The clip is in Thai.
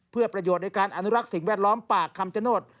เพื่อประโยชน์ในการอนุรักษ์สิ่งแวดล้อมปากคำชโนธ